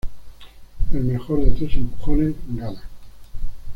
El mejor de tres empujones gana.